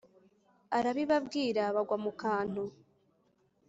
Arabibabwira bagwa mu kantu!